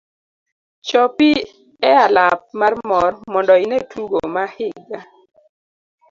Chopi e alap mar mor mondo ine tugo ma higa.